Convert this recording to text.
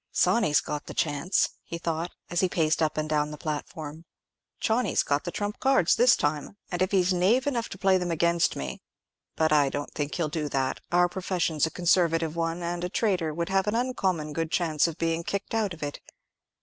"Sawney's got the chance," he thought, as he paced up and down the platform; "Sawney's got the trump cards this time; and if he's knave enough to play them against me—— But I don't think he'll do that; our profession's a conservative one, and a traitor would have an uncommon good chance of being kicked out of it.